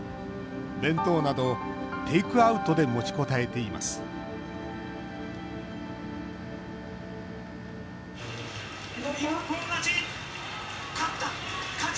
弁当など、テイクアウトで持ちこたえています一本勝ち！